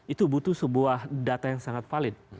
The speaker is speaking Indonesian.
itu butuh sebuah data yang sangat valid